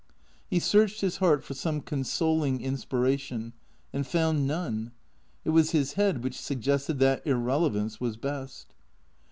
He searched his heart for some consoling inspiration, and found none. It was his head which suggested that irrelevance was best.